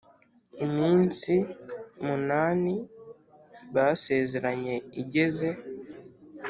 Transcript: iminsi munani basezeranye igeze,